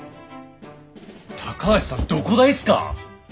高橋さんどこ大っすか？